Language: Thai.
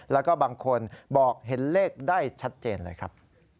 แล้วก็บางคนบอกเห็นเลขได้ชัดเจนเลยครับ